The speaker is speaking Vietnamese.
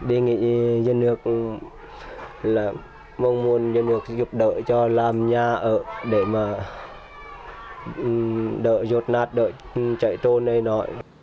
đề nghị dân nước là mong muốn dân nước giúp đỡ cho làm nhà ở để mà đỡ rột nát đỡ chạy trôn đây nọ